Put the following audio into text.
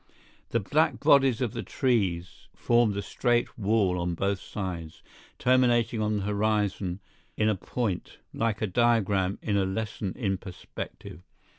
The black bodies of the trees formed a straight wall on both sides, terminating on the horizon in a point, like a diagram in a lesson in perspective.